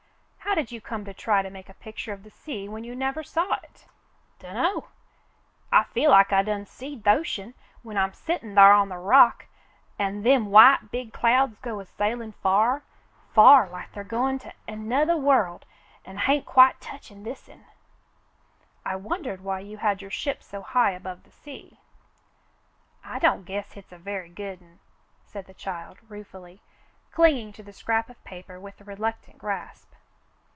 "How did j^ou come to try to make a picture of the sea when you never saw it .^" 216 The Mountain Girl "Do' know. I feel like I done seed th' ocean when I'm settin' thar on the rock an' them white, big clouds go a sailin' far — far, like they're goin' to anothah world an' hain't quite touchin' this'n." "I wondered why you had your ship so high above the sea." "I don't guess hit's a very good'n," said the child, ruefully, clinging to the scrap of paper with reluctant grasp.